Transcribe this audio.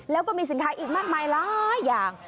แล้วก็มีสินค้าอีกมากมายหลายอย่าง